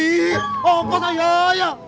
ih opot aja ya